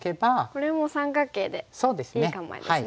これも三角形でいい構えですね。